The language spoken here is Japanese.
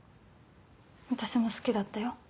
私も好きだったよ。